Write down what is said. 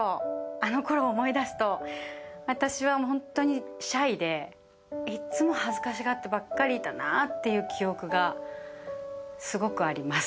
あのころを思い出すと私はホントにシャイでいっつも恥ずかしがってばかりいたって記憶がすごくあります」